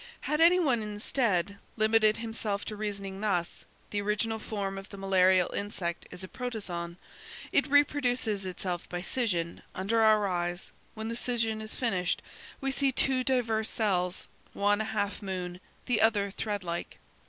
Had anyone, instead, limited himself to reasoning thus: the original form of the malarial insect is a protozoon; it reproduces itself by scission, under our eyes; when the scission is finished, we see two diverse cells; one a half moon, the other threadlike.